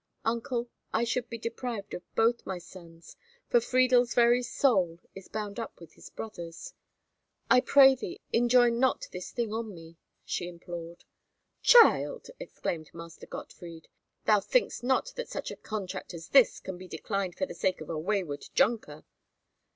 Uncle, I should be deprived of both my sons, for Friedel's very soul is bound up with his brother's. I pray thee enjoin not this thing on me," she implored. "Child!" exclaimed Master Gottfried, "thou thinkst not that such a contract as this can be declined for the sake of a wayward Junker!"